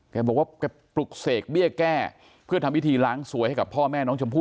แกบอกว่าแกปลุกเสกเบี้ยแก้เพื่อทำพิธีล้างสวยให้กับพ่อแม่น้องชมพู่